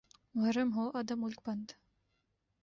محرم ہو آدھا ملک بند۔